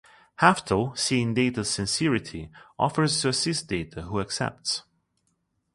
Haftel, seeing Data's sincerity, offers to assist Data, who accepts.